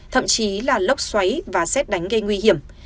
thậm chí là lốc xoáy và xét đánh gây nguy hiểm